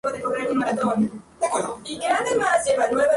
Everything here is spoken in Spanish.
Frei Romano continuó viviendo en la ermita subterránea hasta a su muerte.